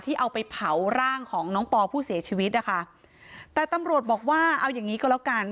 เอาไปเผาร่างของน้องปอผู้เสียชีวิตนะคะแต่ตำรวจบอกว่าเอาอย่างงี้ก็แล้วกัน